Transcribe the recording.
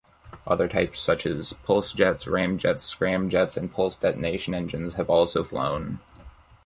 Other types such as pulsejets, ramjets, scramjets and Pulse Detonation Engines have also flown.